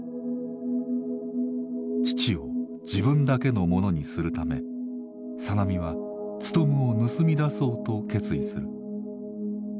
父を自分だけのものにするため小波はツトムを盗み出そうと決意する。